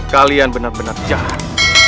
kalian benar benar jahat